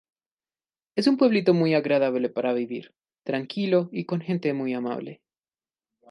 Es un pueblito muy agradable para vivir, tranquilo y con gente muy amable.